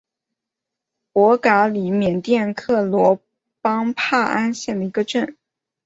博嘎里缅甸克伦邦帕安县的一个镇。